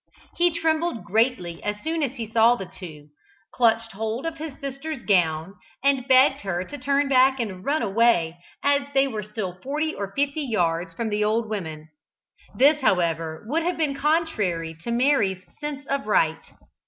He trembled greatly as soon as he saw the two, clutched hold of his sister's gown, and begged her to turn back and run away, as they were still forty or fifty yards from the old women. This, however, would have been contrary to Mary's sense of right.